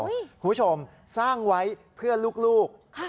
คุณผู้ชมสร้างไว้เพื่อลูก